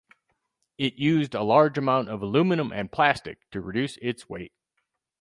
It used a large amount of aluminum and plastic to reduce its weight.